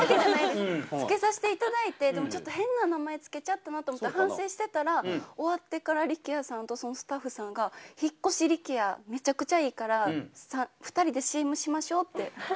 付けさせていただいて、でも変な名前つけちゃったなと思って反省してたら終わってから、力也さんとスタッフさんが引っ越し力也、めちゃくちゃいいから２人でＣＭしましょう！って。